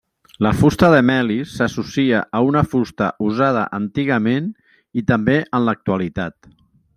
La fusta de melis s’associa a una fusta usada antigament, i també en l'actualitat.